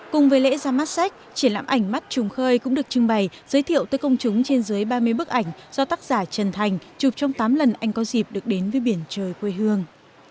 cùng với lễ ra mắt sách triển lãm ảnh mắt trùng khơi cũng được trưng bày giới thiệu tới công chúng trên dưới ba mươi bức ảnh do tác giả trần thành chụp trong tám lần anh có dịp được đến với biển trời quê hương